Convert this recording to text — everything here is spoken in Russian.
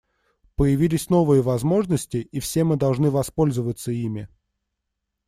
Появились новые возможности, и все мы должны воспользоваться ими.